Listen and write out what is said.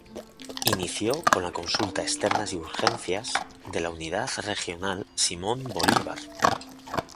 Inició con la consulta externa y urgencias de la Unidad Regional Simón Bolívar.